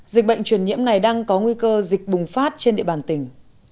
dịch bệnh truyền nhiễm này đang có nguy cơ dịch bùng phát trên địa bàn tỉnh